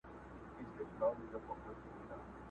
چي مي په کلیو کي بلا لنګه سي؛